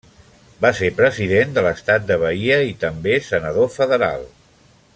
Va ser president de l'estat de Bahia i també senador federal.